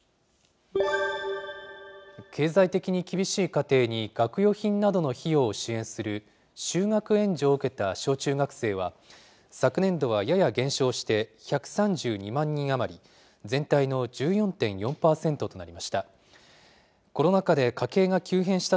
経済的に厳しい家庭に学用品などの費用を支援する就学援助を受けた小中学生は、昨年度はやや減少して、１３２万人余り、全体の１４．４％となりました。